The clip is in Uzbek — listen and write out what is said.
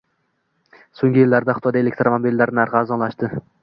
So‘nggi yillarda Xitoyda elektromobillar narxi arzonlashding